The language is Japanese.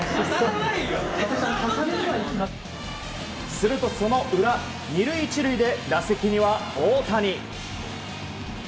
するとその裏、２塁１塁で打席には大谷。